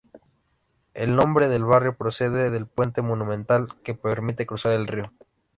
El nombre del barrio procede del puente monumental que permite cruzar el río.